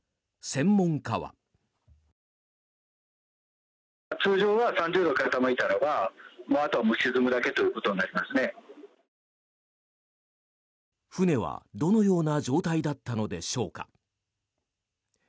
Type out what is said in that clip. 船はどのような状態だったのでしょうか。